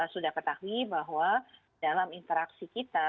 sudah ketahui bahwa dalam interaksi kita